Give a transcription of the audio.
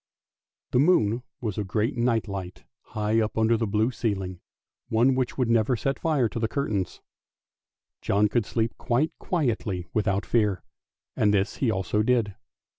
The moon was a great night light high up under the blue ceiling, one which would never set fire to the curtains. John could sleep quite quietly without fear, and this he also did.